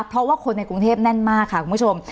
เพราะว่าคนในกรุงเทพแน่นมากค่ะคุณผู้ชม